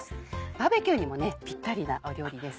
バーベキューにもピッタリな料理です。